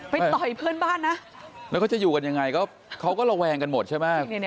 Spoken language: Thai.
ต่อยเพื่อนบ้านนะแล้วเขาจะอยู่กันยังไงเขาก็ระแวงกันหมดใช่ไหม